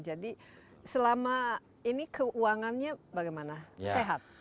jadi selama ini keuangannya bagaimana sehat